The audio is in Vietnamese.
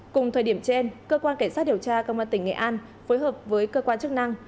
cùng thời điểm trên cơ quan cảnh sát điều tra công an tỉnh nghệ an phối hợp với cơ quan chức năng